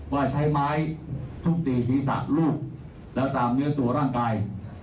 ว่าใช้ไม้ทุบตีศีรษะลูกแล้วตามเนื้อตัวร่างกาย